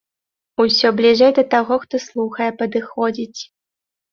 Усё бліжэй да таго, хто слухае, падыходзіць.